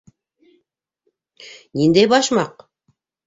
— Ниндәй башмаҡ?